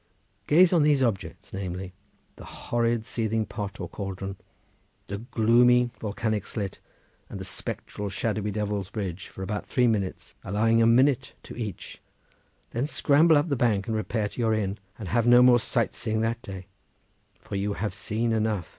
Gaze on these objects, namely, the horrid seething pot or cauldron, the gloomy volcanic slit, and the spectral, shadowy Devil's Bridge for about three minutes, allowing a minute to each, then scramble up the bank and repair to your inn, and have no more sight seeing that day, for you have seen enough.